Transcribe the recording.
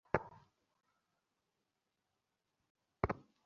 আশা খুশি হইবে কি, মহেন্দ্রের লজ্জা দেখিয়া লজ্জায় তাহার হৃদয় ভরিয়া গেল।